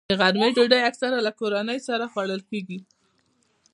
د غرمې ډوډۍ اکثره له کورنۍ سره خوړل کېږي